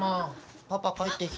パパ帰ってきた？